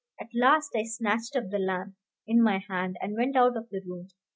At last I snatched up the lamp in my hand, and went out of the room.